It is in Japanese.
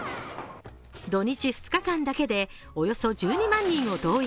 土日２日間だけで、およそ１２万人を動員。